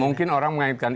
mungkin orang mengatakan